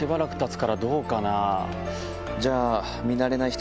じゃあ。